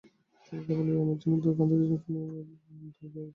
তিনি কেবল ব্যায়ামের জন্য দু’কাঁধে দু’জনকে নিয়ে ঢাল বেয়ে দৌড়ে নামতেন।